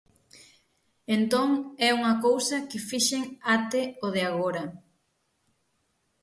Entón é unha cousa que fixen até o de agora.